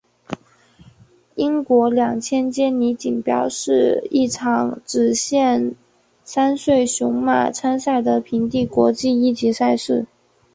英国二千坚尼锦标是一场只限三岁雄马参赛的平地国际一级赛事。